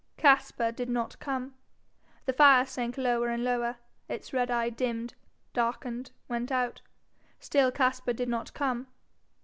Caspar did not come. The fire sank lower and lower, its red eye dimmed, darkened, went out. Still Caspar did not come.